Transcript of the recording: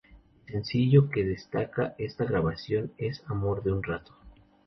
El sencillo que destaca de esta grabación es:"Amor de un rato".